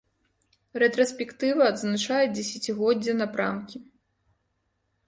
Рэтраспектыва адзначае дзесяцігоддзе напрамкі.